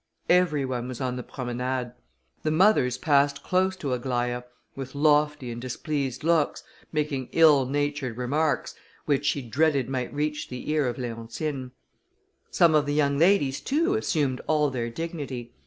Every one was on the promenade. The mothers passed close to Aglaïa, with lofty and displeased looks, making ill natured remarks, which she dreaded might reach the ear of Leontine. Some of the young ladies too, assumed all their dignity.